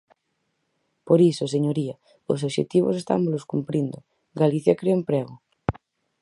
Por iso, señoría, os obxectivos estámolos cumprindo: ¿Galicia crea emprego?